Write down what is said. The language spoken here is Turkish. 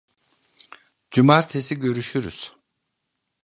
Cumartesi görüşürüz.